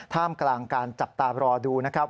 ท่ามกลางการจับตารอดูนะครับ